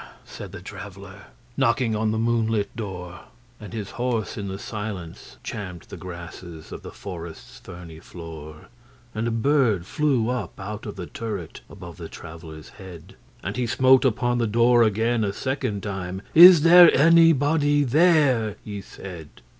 said the Traveller, Knocking on the moonlit door; And his horse in the silence champed the grassesOf the forest's ferny floor. And a bird flew up out of the turret, Above the Traveller's head:And he smote upon the door again a second time;'Is there anybody there?' he said.